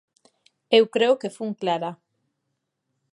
Eu creo que fun clara.